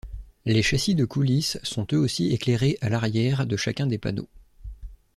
Les châssis de coulisse sont eux aussi éclairés à l'arrière de chacun des panneaux.